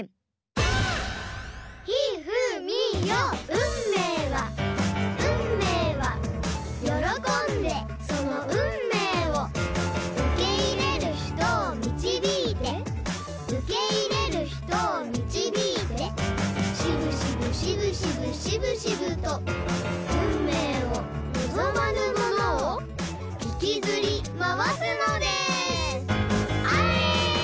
運命は運命は喜んでその運命を受け入れる人を導いて受け入れる人を導いてしぶしぶしぶしぶしぶしぶと運命を望まぬものを引きずり回すのですあれ！